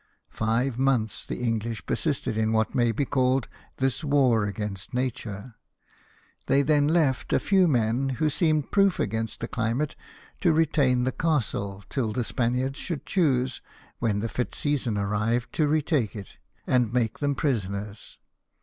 Five months the English persisted in what may be called this war against nature ; they then left a few men, who seemed proof against the climate, to retain the castle till the Spaniards should choose, when the lit season arrived, to retake it, and make them prisoners.